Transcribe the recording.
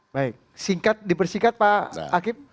baik singkat dipersingkat pak akip